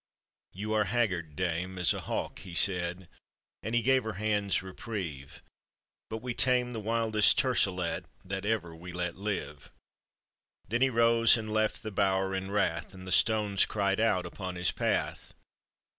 "You are haggard, dame, as a hawk," he said, And he gave her hands reprieve, " But we tame the wildest tercelet That ever we let live." Then he rose and left the bower in wrath, And the stones cried out upon his path.